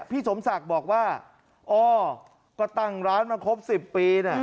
พี่สมศักดิ์บอกว่าอ๋อก็ตั้งร้านมาครบ๑๐ปีนะ